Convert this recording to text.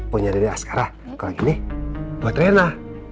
punya diri askara kalau gini buat rena